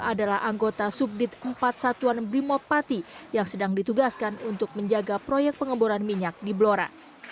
adalah anggota subdit empat satuan brimob pati yang sedang ditugaskan untuk menjaga proyek pengeboran minyak di blora